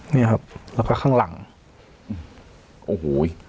เนี่ยครับแล้วก็ข้างหลังโอ้โห